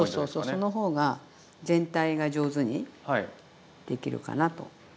その方が全体が上手にできるかなと。